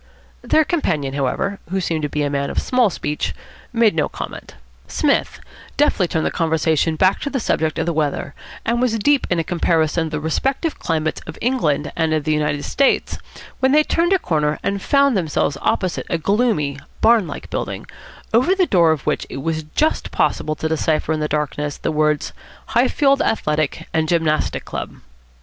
Their companion, however, who seemed to be a man of small speech, made no comment. Psmith deftly turned the conversation back to the subject of the weather, and was deep in a comparison of the respective climates of England and the United States, when they turned a corner and found themselves opposite a gloomy, barn like building, over the door of which it was just possible to decipher in the darkness the words "Highfield Athletic and Gymnastic Club."